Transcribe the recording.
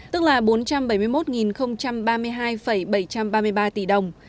tức là bốn trăm bảy mươi một ba mươi hai bảy trăm ba mươi ba tỷ đồng